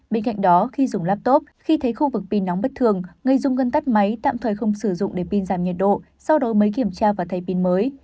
bên cạnh đó khi dùng laptop khi thấy khu vực pin nóng bất thường người dùng ngân tắt máy tạm thời không sử dụng để pin giảm nhiệt độ sau đó mới kiểm tra và thay pin mới